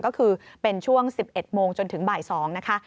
ก็คือเป็นช่วง๑๑โมงจนถึงบ่าย๒นะคะ